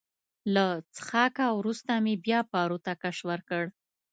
له څښاکه وروسته مې بیا پارو ته کش ورکړ.